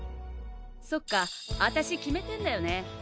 「そっかあたし決めてんだよね」